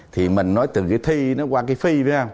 thì mình nói từ cái thi nó qua cái phi ra